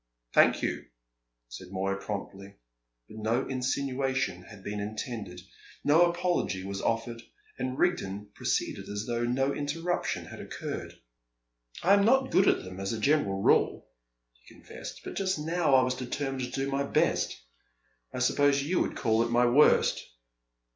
"Thank you," said Moya promptly; but no insinuation had been intended, no apology was offered, and Rigden proceeded as though no interruption had occurred. "I am not good at them as a general rule," he confessed. "But just now I was determined to do my best. I suppose you would call it my worst!"